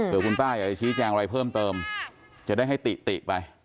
เพื่อคุณป้าอยากจะชี้แจงอะไรเพิ่มเติมจะได้ให้ติติไป